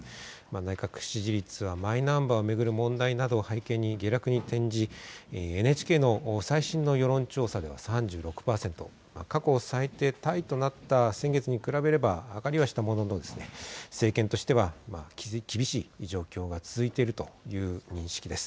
内閣支持率はマイナンバーを巡る問題などを背景に下落に転じＮＨＫの最新の世論調査では３６％、過去最低タイとなった先月に比べれば上がりはしたものの政権としては厳しい状況が続いているという認識です。